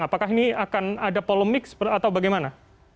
apakah ini akan ada polemik atau bagaimana